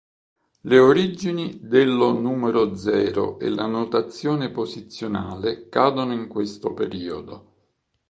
Le origini dello numero zero e la notazione posizionale cadono in questo periodo.